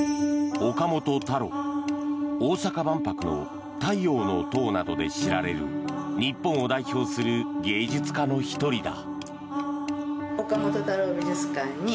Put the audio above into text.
大阪万博の太陽の塔などで知られる日本を代表する芸術家の１人だ。